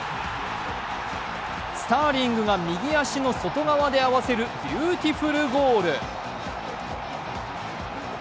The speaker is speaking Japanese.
スターリングが右足の外側で合わせるビューティフルゴール。